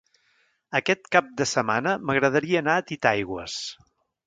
Aquest cap de setmana m'agradaria anar a Titaigües.